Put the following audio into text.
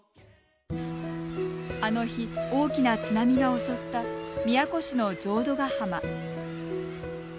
あの日、大きな津波が襲った宮古市の浄土ヶ浜。